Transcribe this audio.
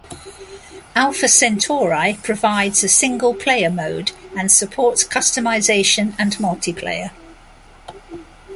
"Alpha Centauri" provides a single player mode and supports customization and multiplayer.